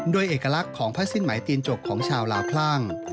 โดยเอกลักษณ์ของผ้าสิ้นไหมตีนจกของชาวลาวคลั่ง